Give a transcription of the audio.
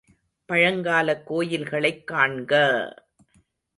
பழங்காலக் கோயில்களைக் காண்க!